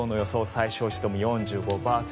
最小湿度も４５％